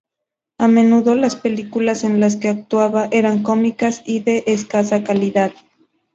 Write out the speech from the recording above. A menudo las películas en las que actuaba eran cómicas y de escasa calidad.